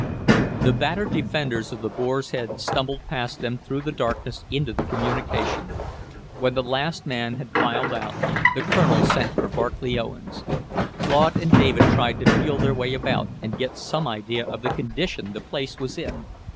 The battered defenders of the Boar's Head stumbled past them through the darkness into the communication. When the last man had filed out, the Colonel sent for Barclay Owens. Claude and David tried to feel their way about and get some idea of the condition the place was in.